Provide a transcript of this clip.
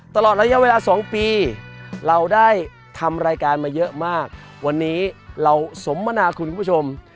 ตลอดระยะเวลา๒ปีเราได้ทำรายการมาเยอะมากวันนี้เราสมมนาคุณผู้ชม